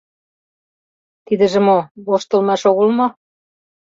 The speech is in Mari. Тидыже мо, воштылмаш огыл мо?